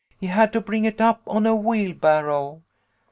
He had to bring it up on a wheelbarrow."